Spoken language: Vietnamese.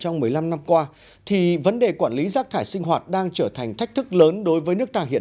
trong một mươi năm năm qua thì vấn đề quản lý rác thải sinh hoạt đang trở thành thách thức lớn đối với nước ta hiện